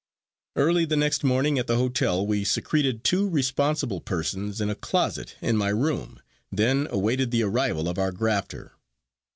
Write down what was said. Early the next morning at the hotel we secreted two responsible persons in a closet in my room, then awaited the arrival of our grafter.